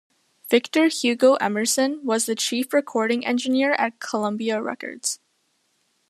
Victor Hugo Emerson was the chief recording engineer at Columbia Records.